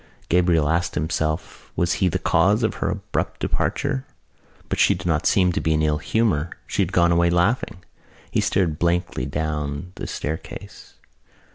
Gabriel asked himself was he the cause of her abrupt departure. But she did not seem to be in ill humour: she had gone away laughing. He stared blankly down the staircase.